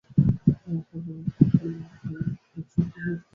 সরকার ব্যবসায়ীদের সহযোগিতা নিয়ে বাংলাদেশকে মধ্যম আয়ের দেশে পরিণত করতে চায়।